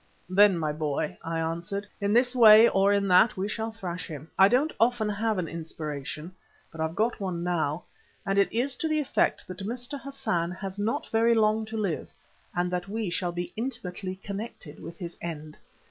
"Then, my boy," I answered, "in this way or in that we shall thrash him. I don't often have an inspiration, but I've got one now, and it is to the effect that Mr. Hassan has not very long to live and that we shall be intimately connected with his end.